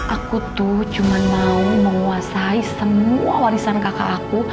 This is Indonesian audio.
aku tuh cuma mau menguasai semua warisan kakak aku